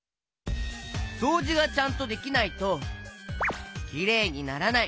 そうじがちゃんとできないときれいにならない！